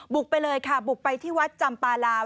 ไปเลยค่ะบุกไปที่วัดจำปาลาว